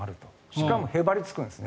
しかも、へばりつくんですね。